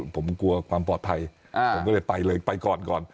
ผมกลัวความปลอดภัยผมก็เลยไปเลยไปก่อนก่อน